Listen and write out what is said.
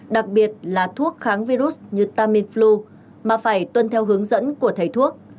đặc biệt là thuốc kháng virus như tamiflu mà phải tuân theo hướng dẫn của thầy thuốc